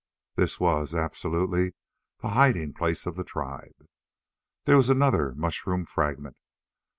This was, absolutely, the hiding place of the tribe. There was another mushroom fragment.